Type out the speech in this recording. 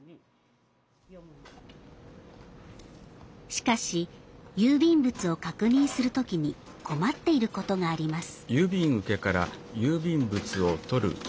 しかし郵便物を確認する時に困っていることがあります。